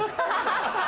ハハハ！